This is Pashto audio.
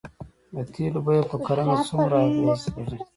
د تیلو بیه په کرنه څومره اغیز لري؟